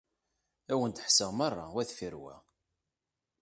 Ad wen-d-ḥesseɣ merra, wa deffir wa.